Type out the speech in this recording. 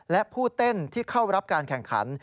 และผู้เต้นที่เข้ารับการแข่งขัน